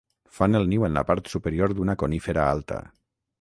Fan el niu en la part superior d'una conífera alta.